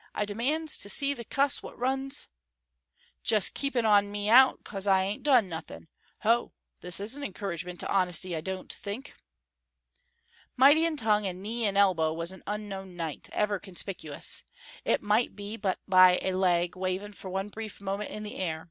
I demands to see the cuss what runs " "Jest keeping on me out 'cos I ain't done nothin'. Ho, this is a encouragement to honesty, I don't think." Mighty in tongue and knee and elbow was an unknown knight, ever conspicuous; it might be but by a leg waving for one brief moment in the air.